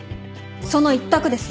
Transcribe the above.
その一択です。